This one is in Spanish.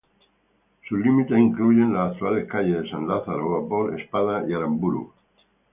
Sus límites incluyen las actuales calles de San Lázaro, vapor, Espada y Aramburu.